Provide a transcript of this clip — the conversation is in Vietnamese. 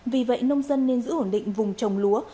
vì vậy nông dân nên giữ ổn định vùng trồng lúa